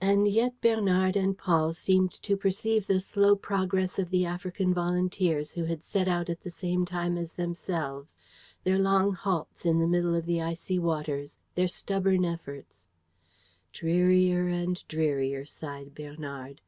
And yet Bernard and Paul seemed to perceive the slow progress of the African volunteers who had set out at the same time as themselves, their long halts in the middle of the icy waters, their stubborn efforts. "Drearier and drearier," sighed Bernard.